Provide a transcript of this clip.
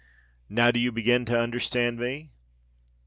Now do you begin to understand me?